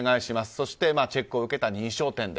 そしてチェックを受けた認証店で。